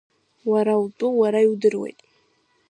Уара утәы уара иудыруеит.